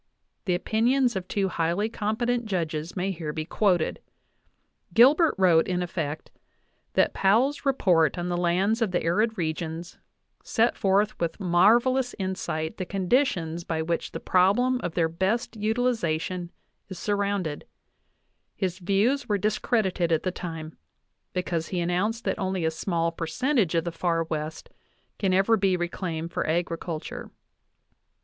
The opinions \ of two highly competent judges may here be quoted. Gilbert wrote, in effect, that Powell's Report on the Lands of the Arid Regions set forth with marvelous insight the conditions by which the problem of their best utilization is surrounded; his views were discredited at the time, because he announced that only a small percentage of the Far West can ever be reclaimed for agriculture.